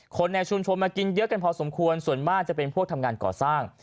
คนในชุมชนมากินเยอะกันพอสมควรส่วนมากจะเป็นพวกทำงานก่อสร้าง